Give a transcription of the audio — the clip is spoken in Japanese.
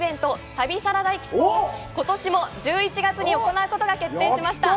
「旅サラダＥＸＰＯ」をことしも１１月に行うことが決定しました。